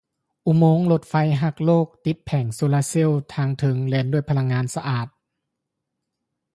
ອຸມົງລົດໄຟຮັກໂລກ ຕິດແຜງໂຊລາເຊວທາງເທິງ ແລ່ນດ້ວຍພະລັງງານສະອາດ